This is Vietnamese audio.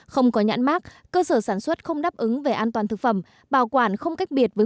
không có nhãn mát cơ sở sản xuất không đáp ứng về an toàn thực phẩm bảo quản không cách biệt với